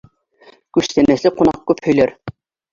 Күстәнәсле ҡунаҡ күп һөйләр.